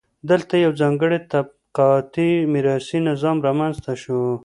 دلته یو ځانګړی طبقاتي میراثي نظام رامنځته شو.